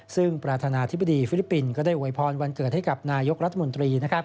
ซึ่งประธานาธิบดีฟิลิปปินส์ก็ได้อวยพรวันเกิดให้กับนายกรัฐมนตรี